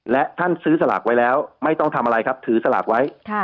และท่านซื้อสลากไว้แล้วไม่ต้องทำอะไรครับถือสลากไว้